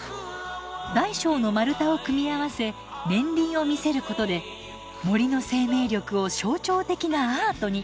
大小の丸太を組み合わせ年輪を見せることで森の生命力を象徴的なアートに。